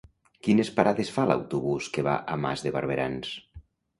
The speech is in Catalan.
Quines parades fa l'autobús que va a Mas de Barberans?